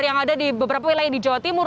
yang ada di beberapa wilayah di jawa timur